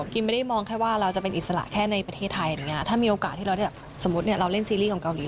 กิ๊นไม่ได้มองว่าเราจะเป็นอิสระแค่ในประเทศไทยอย่างนี้